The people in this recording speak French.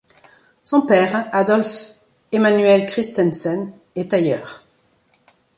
Son père, Adolf Emanuel Christensen, est tailleur.